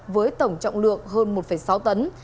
với tổng trọng lượng hơn một sáu tấn